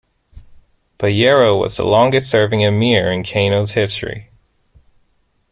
Bayero was the longest-serving emir in Kano's history.